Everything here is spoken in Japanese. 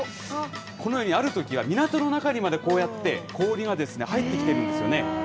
このようにあるときは港の中にまで、こうやって氷がですね入ってきているんですよね。